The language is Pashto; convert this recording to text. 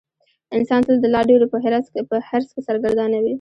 انسان تل د لا ډېرو په حرص کې سرګردانه وي.